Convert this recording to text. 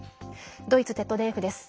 ドイツＺＤＦです。